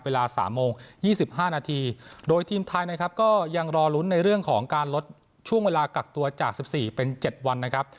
เวลา๓โมง๒๕นาทีโดยทีมไทยนะครับก็ยังรอลุ้นในเรื่องของการลดช่วงเวลากักตัวจาก๑๔เป็น๗วันนะครับ